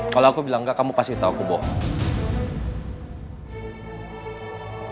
kalau aku bilang enggak kamu pasti tahu aku bohong